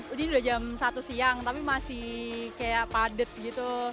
ini udah jam satu siang tapi masih kayak padat gitu